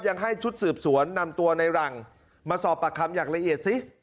ยังให้ชุดสืบสวนนำตัวในหลังมาสอบปากคำอย่างละเอียดซิ